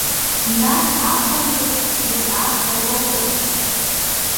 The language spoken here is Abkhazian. Нас ахәылԥаз уи аха уоурым.